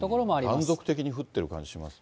断続的に降ってる感じしますね。